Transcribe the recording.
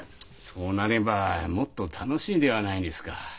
そうなればもっと楽しいではないですか。